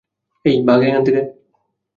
এই, ভাগ এখান থেকে!